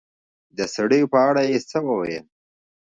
د سړي په اړه يې څه وويل